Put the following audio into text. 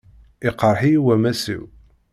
Iqṛeḥ-iyi wammas-iw.